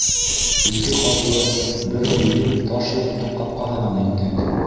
Ике ҡатлы бер бейек таш йорттоң ҡапҡаһынан индек.